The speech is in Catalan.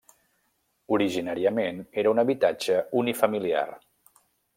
Originàriament era un habitatge unifamiliar.